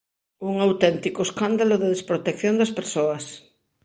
Un auténtico escándalo de desprotección das persoas.